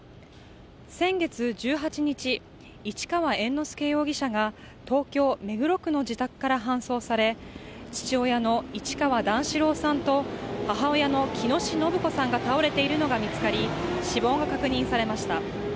先月１８日、市川猿之助容疑者が、東京・目黒区の自宅から搬送され、父親の市川段四郎さんと母親の喜熨斗延子さんが倒れているのが見つかり、死亡が確認されました。